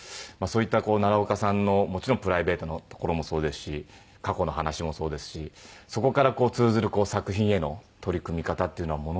そういった奈良岡さんのもちろんプライベートなところもそうですし過去の話もそうですしそこから通ずる作品への取り組み方っていうのは